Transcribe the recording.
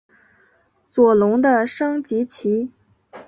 左龙的升级棋。